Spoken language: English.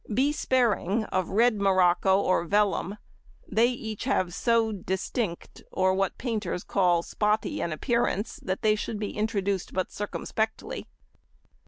.... Be sparing of red morocco or vellum, they have each so |96| distinct, or what painters call spotty, an appearance, that they should be introduced but circumspectly."